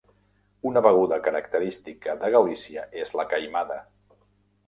Una beguda característica de Galícia és la queimada.